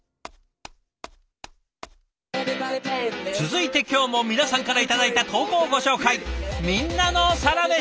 続いて今日も皆さんから頂いた投稿をご紹介。